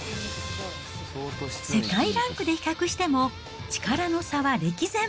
世界ランクで比較しても、力の差は歴然。